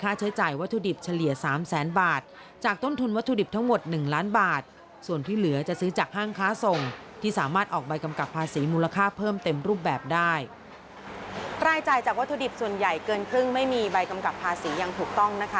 รายจ่ายจากวัตถุดิบส่วนใหญ่เกินครึ่งไม่มีใบกำกับภาษียังถูกต้องนะคะ